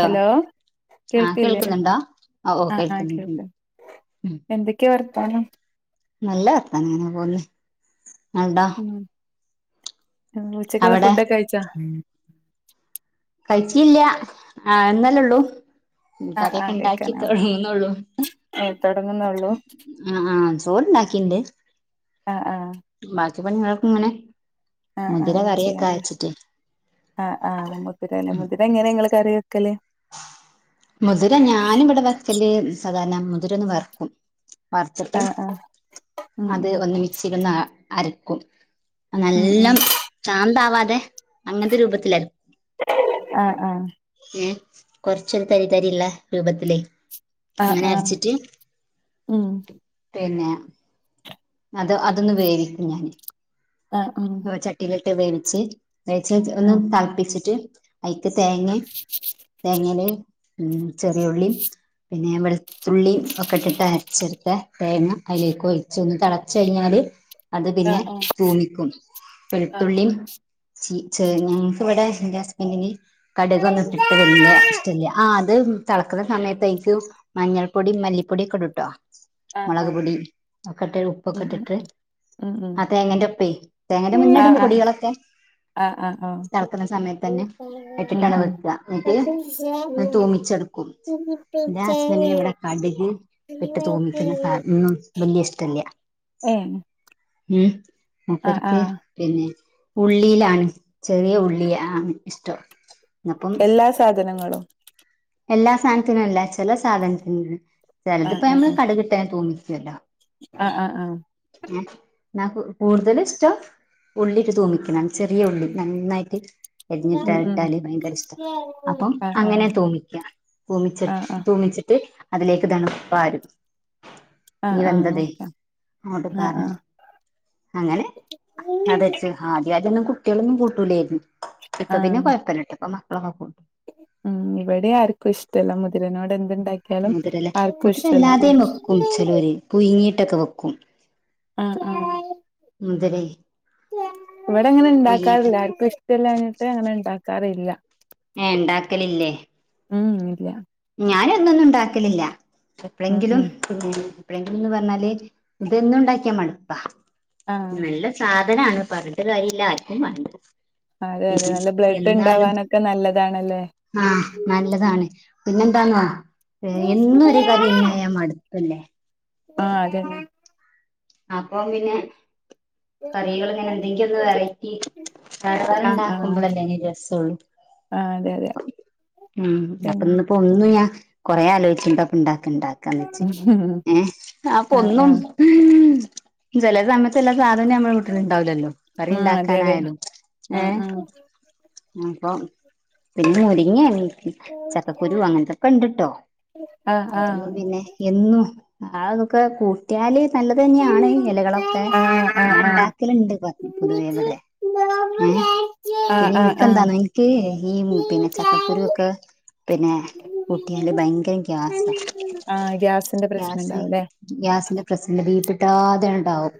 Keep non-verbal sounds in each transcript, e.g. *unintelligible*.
Hello ആ കേൾക്ക്ല്ലേ കേൾക്കുന്നുണ്ടോ ഓ ഓ ആഹ് ആഹ് കേൾക്കുന്നുണ്ട് കേൾക്ക് ഉം എന്തേക്കെ വർത്താനം നല്ല വർത്താനം ഇങ്ങനെ പോന്ന് ഇങ്ങള്തോ ഉം ഉച്ചക്ക്ള്ള അവിടെ ഫുഡോക്കെ കഴിച്ചോ കഴിച്ചില്ല്യ ആവ്ന്നല്ലേ ഒള്ളൂ ആഹ് കറ്യോക്കെ ആഹ് ഇണ്ടാക്കി കഴിക്കാനാ തൊടങ്ങ്ണോള്ളു ഏഹ് തൊടങ്ങുന്നൊള്ളൂ ആഹ് ആഹ് ചോറ്ണ്ടാക്കിണ്ട് ആഹ് ആഹ് ബാക്കി പണ്യേളൊക്കെ ഇങ്ങനെ ആഹ് മുതിര ആഹ് ചെയ്യണ്ട കറിക്കാച്ച്ട്ടെ ആഹ് ആഹ് മുതിരലേ മുതിര എങ്ങനെ ഇങ്ങള് കറി വെക്കല് മുതിര ഞാന് ഇവടെ വെക്കല് സാധാരണ മുതിരോന്ന് വറ്ക്കും വറ്ത്ത്ട്ട് ആഹ് ആഹ് ഉം അത് ഉം ഒന്ന് മിക്സീലൊന്ന് അരക്കും ഉം ഉം നല്ലം ചാന്താവാതെ അങ്ങനത്തെ രൂപത്തിലര ആഹ് ആഹ് ഏഹ് കൊറച്ചൊരു തരി തരിള്ള രൂപത്തിലേ ആഹ് അങ്ങനെ ആഹ് അരച്ചിട്ട് ഉം പിന്നെ അത് അതൊന്ന് വേവിക്കും ഞാന് ആഹ് ഉം ചട്ടീലിട്ട് വേവിച്ച് വേവിച്ച് ഒന്ന് തളപ്പിച്ചിട്ട് അയ്ക്ക് തേങ്ങിം തേങ്ങേല് ചെറിയ ഉള്ളീം പിന്നെ വെള് തുള്ളീം ഒക്കെ ഇട്ടിട്ട് അരച്ചെട്ത്ത തേങ്ങ അയിലേക്ക് ഒഴിച്ചോന്ന് തെളച്ച് കഴിഞ്ഞാല് അത് ആഹ് പിന്നെ ആഹ് തൂമിക്കും ആഹ് വെളുത്തുള്ളീം ചീ ചെ ഞങ്ങക്ക് ഇവടെ എന്റെ ഹസ്ബന്റ്ന് കട്കൊന്നും ഇട്ടിട്ട് വല്ല്യ ഇഷ്ട്ടല്ല ആഹ് അത് തെളക്ക്ന്ന സമയത്ത് അയിക്ക് മഞ്ഞൾപ്പൊടിം മല്ലിപ്പൊടിയൊക്കെ ഇടുട്ടൊ ആഹ് മൊളക് ആഹ് പൊടി ഒക്കെ ഇട്ട് ഉപ്പൊക്കെ ഉം ഉം ഇട്ടിട്ട് ഉം ഉം ആ തേങ്ങന്റെ ഒപ്പേ തേങ്ങന്റെ ആഹ് മുന്നെടും ആഹ് പൊടികളൊക്കെ ആഹ് ആഹ് ആഹ് തളക്ക്ണ സമയത്തെന്നെ ഉം ഇട്ടിട്ടാണ് ഉം വെക്ക എന്നെട്ട് തൂമിച്ചെട്ക്കും ഇന്റെ ഹസ്ബന്റിന് ഇവിടെ കട്ക് ഇട്ട് തൂമിക്ക്ന്ന സാധനൊന്നും ബല്ല്യ ഇഷ്ട്ടല്ല ഏഹ് ഉം മൂപ്പര് ആഹ് ആഹ് പിന്നെ ഉള്ളിയിലാണ് ചെറിയ ഉള്ളിയാണ് ഇഷ്ടം അപ്പം എല്ലാ സാധനങ്ങളും എല്ലാ സാധനത്തിനും അല്ല ചെല സാധനത്തിന് ആഹ് ചെലത്പ്പോ ആഹ് നമ്മള് കട്കിട്ടെന്നെ തൂമിക്കല്ലോ ആഹ് ആഹ് ആഹ് ഉം ഇന്നാ കൂ കൂടുതല് ഇഷ്ട്ടം ഉള്ളിട്ട് തൂമിക്ക്ണാണ്‌ ചെറിയ ഉള്ളി നന്നായിട്ട് എരിഞ്ഞ്ട്ടാ ഉം ഉം ഇട്ടാല് ഭയങ്കര ഇഷ്ട്ടാ അപ്പം ആഹ് ആഹ് അങ്ങനെ തൂമി ക്ക്യ തൂമിച്ച് ആഹ് ആഹ് തൂമിച്ചിട്ട് അതിലേക്ക് ഇതാണ്ട് പാരും ആഹ് ഈ ആഹ് വെന്തതെ ഓക്കെ അങ്ങോട്ട് ആഹ് പാരും ആഹ് അങ്ങനെ അതെച്ചു ആാദ്യ ആദ്യൊന്നും കുട്ട്യേളൊന്നും കൂട്ടൂലായിരുന്നു ഇപ്പൊ പിന്നെ ആഹ് കൊഴപ്പല്ലട്ടൊ ഇപ്പ മക്കളൊക്കെ കൂ ഉം ഇവിടി ആർക്കുഷ്ടല്ല മുതിരനോട് എന്തിണ്ടാ മുതിരലേ മുതിര ഇല്ലാതെം വെക്കും ചലോര് പുയ്ങ്ങീട്ടൊക്കെ വെക്കും ആഹ് ആഹ് മുതെരെ ഇവിടെ അങ്ങനെ ഇണ്ടാക്കാറില്ല ആർക്കുഷ്ടല്ലാഞ്ഞിട്ട് അങ്ങനെ ഇണ്ടാക്കാറില്ല ഏഹ് ഇണ്ടാക്കലില്ലേ ഉം ഇല്ല ഞാൻ എന്നൊന്നുണ്ടാക്കലില്ല ഉം എപ്ലെങ്കിലും ഉം എപ്പഴെങ്കിലുന്ന് പർഞ്ഞാല് ഇത് എന്നുണ്ടാക്ക്യാ മട്പ്പാ ആഹ് നല്ല സാധനാണ് പർഞ്ഞിട്ട് കാര്യല്ല ആർക്കും വേണ്ട അതെ അതെ പിന്നെ നല്ല എന്നാലും ബ്ലഡ്ഡിണ്ടാവാനൊക്കെ നല്ലതാണല്ലേ ആഹ് നല്ലതാണ് പിന്നെന്താന്നോ എന്നും ഒരു കറ്യെന്നായ മട് പ്പല്ലേ ആഹ് അതെന്നെ അപ്പ പിന്നെ കറികൾ ഇങ്ങനെ എന്തെങ്ക്യൊന്ന് വെറെറ്റി *unintelligible* ആഹ് ആഹ് ഇണ്ടാക്കുമ്പോളല്ലേന് രസൊള്ളു ആഹ് അതെ അതെ ഉം അപ്പ പിന്നെ ഇന്നിപ്പോ ഒന്ന് ഞാൻ കൊറെ ആലോയ്ച് എന്താപ്പണ്ടാക്കണ്ടാ ക്ക നച്ച് ഏഹ് ആഹ് അപ്പൊന്നും ആഹ് ചെലെ സമ എല്ലാ സാധനൊം ഞമ്മളെ വീട്ടിലിണ്ടാവ്ലല്ലോ കറി ആഹ് അതെ അതെ ഇണ്ടാക്കാനായ്ലും ആഹ് ഏഹ് ആഹ് ആഹ് ഇപ്പം പിന്നെ ഒരുങ്ങി എണിറ്റ് ചക്കക്കുരു അങ്ങൻത്തൊക്കെ ഇണ്ട്ട്ടോ ആഹ് ആഹ് ആഹ് ആഹ് അതൊന്നും പിന്നെ എന്നും അതൊക്കെ കൂട്ട്യാല് നല്ല തെന്ന്യാണ് എലകളൊക്കെ ആഹ് ഞാൻ ആഹ് ഇണ്ടാക്കലിണ്ട് പൊതുവെ ഇവടെ ഏഹ് പിന്നെ ആഹ് ആഹ് ഇൻക്കെന്താന്നോ ഇൻക്ക് ഈ പിന്നെ ചക്കക്കുരു ഒക്ക പിന്നെ കുട്ട്യാല് ഭയ്ങ്കര ഗ്യാസ ആഹ് ഗ്യാസിന്റെ പ്രശ്നണ്ടാവുല്ലേ ഗ്യാസിന്റെ പ്രശ്നം ബീ പിട്ടാത്യണ്ടാവും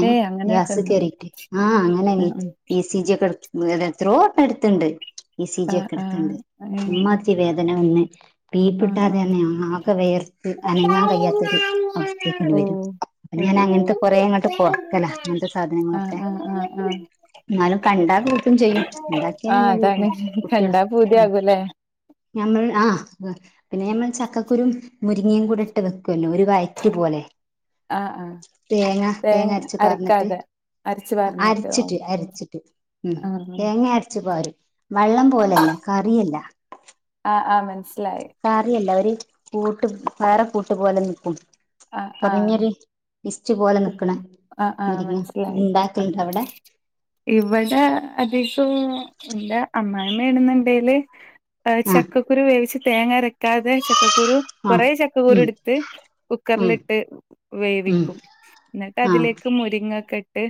ഉം ഏയ് അങ്ങനെയൊക്കെ ഗ്യാസ് കേറീട്ട് ആഹ് അങ്ങനെ ആഹ് ഇ സി ജ്യൊക്കെട് വേദ എത്രോ വട്ടട്ത്തിണ്ട് ഇ സി ആഹ് ജ്യക്കെ ആഹ് എടുത്തിണ്ട് ആഹ് ഏഹ് അമ്മാതിരി വേദന വന്ന് ആഹ് ആഹ് ബീപിട്ടാതണ് ആകെ വേയർത്ത് ഓ അനങ്ങാകയ്യാത്തൊരു അവസ്ഥേക്കിണ് ഓ വരും അപ്പൊ ഞാൻ ഓ അങ്ങർത്തെ കൊറെ അങ്ങട്ട് കൊർക്കല അങ്ങൻത്തെ ആ സാധനങ്ങളൊക്കെ ആ ആ ആ ഇന്നാലും കണ്ടാ കൂട്ടും ചെയ്യും ഇണ്ടാക്ക്യ ആ ഞമ്മൾ കൂട്ടും അതാണ് കുട്ട്യാള് കണ്ടാ ഉം പൂതിയാകൂലേ ഞമ്മൾ ആഹ് പിന്നെ ഞമ്മൾ ചക്കക്കുരും മുരിങ്ങേം കൂടെട്ട് വെക്കല്ലോ ഒരു വയറ്റ് പോലെ ആ ആ തേങ്ങ തേങ്ങ അര്ച്ച് പാർന്നിട്ട് അരച്ച് പാർന്നിട്ട് ഓ അരിച്ചിട്ട് അരച്ചിട്ട് ഉം തേങ്ങ അരച്ചു പാരും വള്ളം പോലെല്ല കറിയല്ലാ ആഹ് ആഹ് മൻസ്ലായി കറിയല്ല ഒര് കൂട്ട് വേറെ കൂട്ട് പോലെ നിക്കും ആഹ് ആഹ് കുറഞ്ഞൊരു ഇസ്റ്റ് പോല ആഹ് ആഹ് മൻസ്ലായി ആഹ് ഉണ്ടാക്കലുണ്ടോ ആഹ് അവിടെ ഇവിടെ അധികം ഇല്ല അമ്മായിമ്മ്യേണ്ന്നിണ്ടേല് ആഹ് ചക്കുരു വേവിച്ച് തേങ്ങ അരയ്ക്കാതെ ചക്കക്കുരു ആഹ് കുറെ ചക്കക്കുരു ഉം എടുത്ത് ഉം കുക്കറിലിട്ട് ഉം വേവിക്കും എന്നിട്ട് ആഹ് അതിലേക്ക് മുരിങ്ങൊക്കെ ഇട്ട്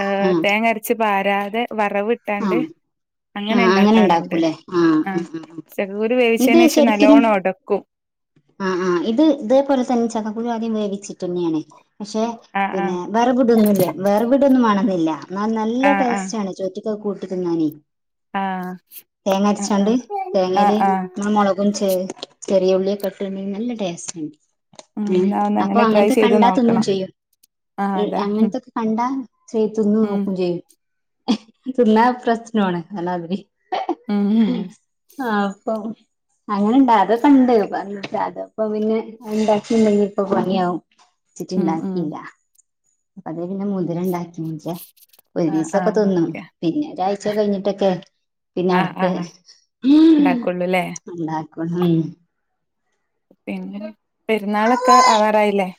ഏഹ് ആഹ് തേങ്ങ അരച്ച് പാരാതെ വറവ് ട്ടാണ്ട് ആഹ് അങ്ങനെ ഇണ്ടാക്കാറിണ്ട് ആഹ് ചകക്കുരു ഇത് വേവിച്ചേനേഷം ശരിക്കിനും നല്ലോണൊടക്കും ആഹ് ആഹ് ഇത് ഇതേപോൽതൻ ചകക്കുരു ആദ്യം വേവിച്ചിട്ടെന്ന്യേണ് പഷേ ആഹ് പിന്നെ വെറെടവ് ടൊന്നുല്ല വെറവിടൊന്നും വേണെന്നില്ല എന്നാൽ നല്ല ആഹ് ആഹ് ടേസ്റ്റ് ആണ് ചോറ്റിക്ക കൂട്ടി തിന്നാനെ ആഹ് തേങ്ങ ആഹ് അരച്ചോണ്ട് ആഹ് ആഹ് തേങ്ങൽ ആഹ് ആഹ് നമ്മള് മുളകും ചെ റിയ ഉള്ളി കട്ടണ്ടെങ്കിൽ നല്ല ടേസ്റ്റ് ആണ്. ഉം ന്നാ ഒന്ന് അപ്പൊ അങ്ങനെ ട്രൈ അങ്ങനത്തെ ചെയ്ത് കണ്ടാതിന്നേ നോക്കണം ചെയ്യും. ആഹ് അതെ അങ്ങനത്തൊക്കെ കണ്ടാ സ്ത്ത്ന്ന് ഉം നോക്കയും ചെയ്യും. പിന്ന പ്രശ്നോണല്ലലി. ഉം ഉം ഉം ആഹ് അപ്പൊം അങ്ങനെണ്ട അതൊ ക്കെണ്ട് പറഞ്ഞ അതപ്പ പിന്നെ ഉണ്ടാക്കി ഉണ്ടെങ്കി ഇപ്പൊ പണിയാവും വച്ചിട്ട ഉം ഉം ഇണ്ടാക്കിയില്ല. അപ്പൊ അതേ പിന്നെ മുതിര ഉണ്ടാക്കി മഞ്ച. ഒരു ആഹ് ദിവസൊക്കെ ആഹ് തിന്നും ഓക്കെ പിന്നെ ഒരാഴ്ച കഴിഞ്ഞിട്ടൊക്കെ പിന്നെ അടുത്തേ- ഉണ്ടാക്കള്ളൂല്ലേ? ക *unintelligible* പിന്നെ പെരുന്നാളൊക്കെ അവാറായില്ലേ?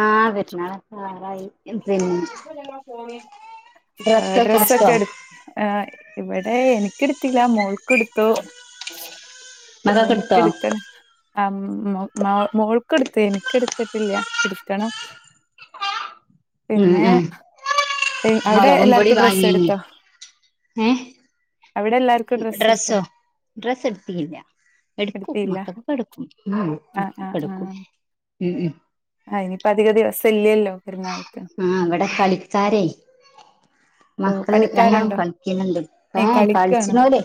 ആഹ് പെരന്നാളൊക്കെ ആവറായി. ഡ്രസ്സൊക്കെ എടു ആഹ് ഇവിടെ എനിക്കെടുത്തില്ല മോൾക്ക് എടുത്തു. ആഹ് മകൾക്ക് ഇനക്ക് എടുത്തോ എടുക്കണ് ആഹ് മോൾ മോൾക്ക് എടുത്ത് എനിക്ക എടുത്തിട്ടില്ല എടുക്കണം. പിന്നെ- അവിടെ മൊളകുംപൊടി എല്ലാർക്കും ഡ്രസ്സ് വാങ്ങിന് എടുത്തോ ഏഹ്- അവിടെ എല്ലാർക്കും ഡ്രസ്സ് എടുത്തോ ഡ്രസ്സോ ഡ്രസ്സ് എടുത്തിക്കില്ല. എടുക്കും എടുത്തില്ല മക്കക്കൊക്കെ എടുക്കും ഉം ആ ഉം എടുക്കും ഉം.. ആസ് ഇനിപ്പൊ അധിക ദിവസ ഇല്ലല്ലോ പെരുന്നാൾക്ക്. ആഹ് ഇവിടെ കളിക്കാരേ ഓ മക്കള് രണ്ടാളും പണിക്കാരുണ്ടോ കളിക്കുന്നുണ്ട് ഏ ആഹ് കളിക്കാണോ കളിച്ചണൂലേ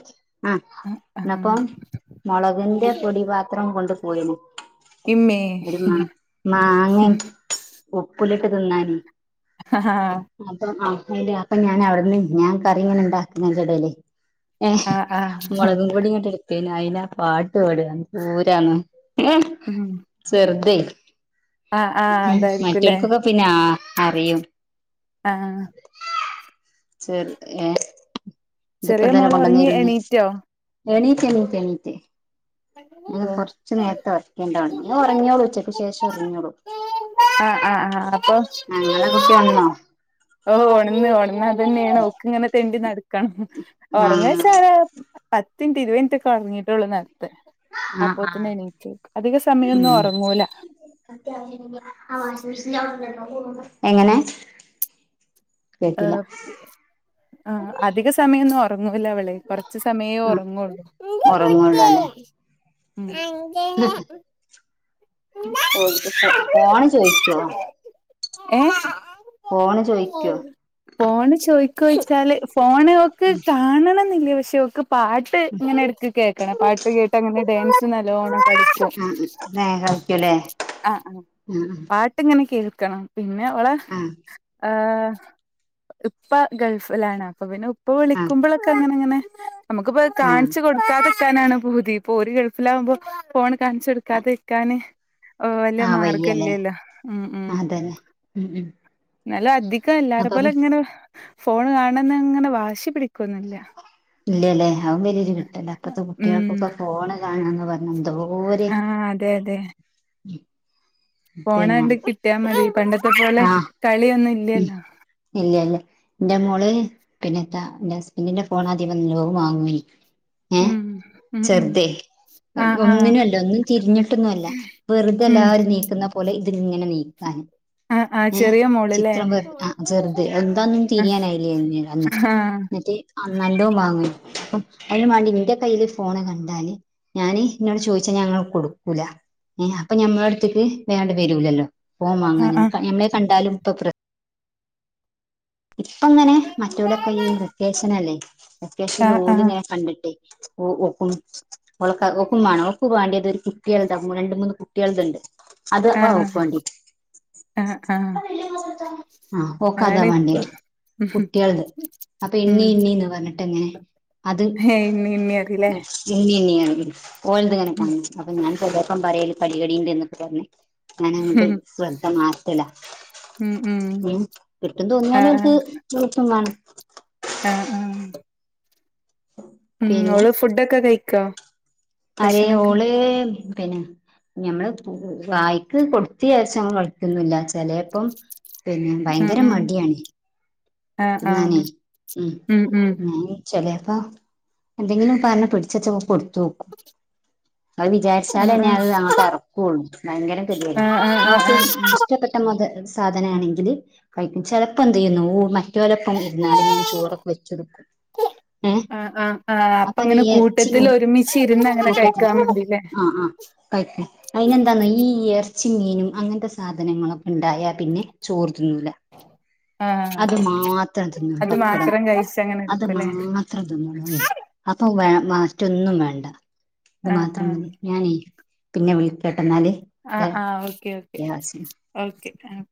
ആഹ് ആ ആ എന്നപ്പം. മൊളകിന്റെ പൊടിപാത്രം കൊണ്ട് പോയിന്- ഇമ്മേ- മാങ്ങ ഒപ്പിലിട്ട് തിന്നാനേ- ആഹ ആഹ് അപ്പ ആഹ് അതെ അപ്പൊ ഞാൻ അവിടുന്ന് ഞാൻ കറി ഇങ്ങനെ ഉണ്ടാക്ക്ന്നേന്റെ ഇടലേ- ഏ ആ ആ മുളകും പൊടി ഇങ്ങോട്ട എടുത്തേന് അയിന പാട്ട്പാട പൂരാണ്. ഉം. ചെർതെ- ആഹ് ആഹ് ഉം അതായിരിക്കുംല്ലേ മറ്റൊൾക്കൊക്കെ പിന്നെ അ അറിയും. ആഹ് ചെർ ഏ ഇതപ്പ ചെറിയ തന്നെ മോള് ഒറങ്ങി കൊണ്ടുവന്നായിന്ന്. എണീറ്റോ എണീറ്റ് എണിറ്റെണീറ്റ്. അത് ഓഹ് കുറച്ചുനേരത്തെ വരക്കേണ്ടതാണ് ഞൻ ഉറങ്ങിയോളൂ ഉച്ചയ്ക്ക് ശേഷം ഉറങ്ങിയോളൂ. ആഹ് ആഹ് ആഹ് അപ്പൊ- ഞങ്ങളെ കുട്ടിയല്ല- ഓ ഉഓണന്ന് ഉണന്ന് അത തന്നെയാണ് ഓക്ക് ഇങ്ങനെ തെണ്ടി നടക്കണം ഉറങ്ങൊ ആഹ് സാധാ- പത്തിൻറ്റ് ഇരുപതിനിറ്റ് ഒക്കെ ഉടങ്ങിട്ടേള്ള് നേരത്തെ- ആഹ് അപ്പൊതേന്നും ആഹ് എണീറ്റ് അധിക സമയൊന്നും ഉം ഉറങ്ങൂല. എങ്ങനെ? ഓ കേട്ടില്ല പി അധിക സമയൊന്നും ഉറങ്ങൂല്ല അവള്. കൊറച്ചു സമയേ ആ ഒറങ്ങുള്ളൂ. ഒറങ്ങുള്ളൂ അല്ലെ ക്ക് പോണ് ചോയ്ക്ക്യോ? ഏ ഫോണ് ചോയ്ക്കോ? ഫോണ് ചോദിക്ക്യോച്ചാല് ഫോണ് ഒക്ക് കാണണംന്നില്ലേ പക്ഷെക്ക് പാട്ട് ഇങ്ങനെ എടുക്ക കേക്കണ പാട്ട് കേട്ട് അങ്ങനെ ഡാൻസ് നല്ലവണം പഠിച്ചു. ആ കളിക്കൂല്ലേ ആഹ് ആ പാട്ടിങ്ങനെ കേൾക്കണം പിന്നെ അവളെ ആഹ്. ആഹ് ഉപ്പ ഗൾഫിലാണ് അപ്പൊ പിന്നെ ഉ ഇപ്പൊ ആ വിളിക്കുമ്പോഴൊക്കെ അങ്ങനെങ്ങനെ നമുക്കിപ്പ കാണിച്ചച്ച് കൊടു എടുക്കാതെക്കാനാണ് പൂതി ഇപ്പൊ ഓര് ഗിൾഫിലാകുമ്പോ ഫോൺ കാൺച്ചൊടുക്കാതെ ഇരിക്കാന് ഇപ്പൊ വല്ല്യ ആ ആ വയ്യല്ലേ മാർഗല്ലല്ലോ അതന്നെ ഉം ഉം എന്നാലോ അധികം എല്ലാരെ അപ്പം പോലെ ഇങ്ങനെ ഫോണ് കാണണംന്ന്‌ ഇങ്ങനെ വാശി പിടിക്കോന്നില്ല. ഇല്ലല്ലേ അതും വലിയൊരു കിട്ടല്ല ഇപ്പത്തെ ഉം കുട്ട്യാൾക്കൊക്കെ ഫോൺ കാണാന്ന് പറഞ്ഞ എന്തോ ആഹ് അതെ അതെ പിന്നെ പോണണ്ട് കിട്ടിയാ മതി പണ്ടത്തെ പോലെ ആഹ് കളിയൊന്നു ഉം ഇല്ല ഇല്ല എന്റെ മോള് പിന്നെ താ എന്റെ ഹസ്ബന്റിന്റെ ഫോൺ ആദ്യം വന്ന് ലോ വാങ്ങ്യേ ഏഹ് ഉം ഉം ഉം ചെർതെ ആഹ് ആഹ് ഒന്നിനും അല്ല ഒന്നും തിരിഞ്ഞിട്ടൊന്നും അല്ല വെറുതെ ഉം എല്ലാവരും നീക്കുന്ന പോലെ ഇതിങ്ങനെ നീക്കാന് ആഹ് ആഹ് ഏഹ് ചെറിയ മോ ചിത്രം വെ ആഹ് ചെറുത് എന്താന്നും ആഹ് തിരിയാനായില്ലേന്നു അന്ന് എന്നിറ്റ് ആഹ് നല്ലോ വാങ്ങു അപ്പം അതിന് വാണ്ടി എന്റെ കയ്യിയില് ഫോണ്‌ കണ്ടാല് ഞാന് ഇന്നോട് ചോദിച്ചാ ഞാൻങ്ങട് കൊടുക്കൂല ഏ അപ്പൊ ഞമ്മളടുത്തക്ക് വേഅണ്ട് വരൂലല്ലോ ഫോം ആഹ് വാങ്ങാന്. ആഹ് ആഹ് ഞമ്മളെ കണ്ടാലും ഇപ്പൊ പ്ര ഇപ്പങ്ങനെ മറ്റോലൊക്കെ ഈ വെക്കേഷനല്ലേ വെക്കേഷൻല് ആഹ് ഓലിങ്ങനെ കണ്ടിട്ടേ ഓ ഓക്കും ഓൾക്ക ഓക്കും വാണം. ഓക്ക് വാണ്ടിയത് ഒരു കുട്ടിയാൾടെ രണ്ട് മൂന്ന് കുട്ടിയാളത് ഇണ്ട് അത് ആഹ് ആഹ് ഓക്ക്വാണ്ട്യേ ആഹ് ആഹ് ആഹ് ഓക്കതാ അതാണ് ഇപ്പ വാണ്ട്യേ കുട്ട്യാളത് അപ്പൊ ഉം എണ്ണി എണ്ണീന്ന് പറഞ്ഞിട്ട് അങ്ങനെ അത് ഇന്നി ഇന്നി അറില്ലേ എണ്ണി എണ്ണിഅറിയും ഓലത് ഇങ്ങനെ കാണും അപ്പൊ ഞാൻ ചെലേര്പ്പം പറയല് കടികടി ഇണ്ട്ന്ന്. എന്നൊക്കെ പറഞ്ഞ് ഞാനങ്ങോട്ട് ശ്രദ്ധ മാറ്റല. ഉം കിട്ടുംന്ന് ആഹ് തോന്നിയാലും ആഹ് *unintelligible* ആഹ് ആഹ് ഉം പിന്നെ ഓള് ഫുഡൊക്കെ കഴിക്കോ അതേ ഭക്ഷണൊക്കെ ഓള് പിന്നെ ഞമ്മള് വായ്ക്ക് കൊടുത്തീരാച്ച് ഒന്നും കളിക്കോന്നില്ല ചെലേപ്പം പിന്നെ ഉം ഭയങ്കര ഉം മടിയാണ് ആഹ് തിന്നാനേ ആഹ് ഉം ഞാനെയ്‌ ചെലേപ്പം എന്തെങ്കിലും പറഞ്ഞ് പിടിച്ചേച്ചൊക്കെ കൊടുത്തോക്കും അത് ആഹ് വിചാരിച്ചാലന്നെ അത് അങ്ങോട്ട് ഇറക്കൂള്ളു ഭയങ്കരം കടിയല ആഹ് ആഹ് ആഹ് ആഹ് അവക്ക് ഇഷ്ടപ്പെട്ട മത സാധന ആണെങ്കില് കഴിക്കും ചെലപ്പോ എന്ത്ചെയ്യുന്നാ ഊമ്മ റ്റോലപ്പം ഇരുന്നാളിന് ഞാൻ ചോറൊക്കെ വെച്ചൊടുക്കും ഏഹ് ആഹ് ആഹ് അപ്പ നീ എർച്ചി മീ ചിരുന്ന് അങ്ങനെ കൂട്ടത്തില് കഴിക്കാൻ മതില്ലേ ആഹ് ആഹ് കഴിക്കും അതിനെന്താന്നോ ഈ ഇറച്ചി മീനും അങ്ങനത്തെ സാധനങ്ങളൊക്കെ ഇണ്ടായാൽ പിന്നെ ചോറ് തിന്നൂല ആഹ് അത് മാത്രം തിന്നോളൂ അത് മാത്രം കഴിച്ചങ്ങനെ എടുക്കുംല്ലേ ത്രം തിന്നൂന്നേ അപ്പൊ വെ മറ്റൊന്നും വേണ്ട ഇത് ആഹ് മാത്രം ആഹ് മതി ഞാനേ പിന്നെ വിളിക്കട്ട എന്നാല് ആഹ് ആഹ് ഓക്കെ ഓക്കെ അത്യാവശ്യം ഒക്കെ ആഹ്